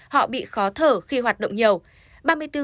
họ bị khó thở khi hoạt động nhiều